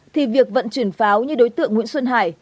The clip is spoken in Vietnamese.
thì việc vận chuyển pháo như đối tượng nguyễn xuân hải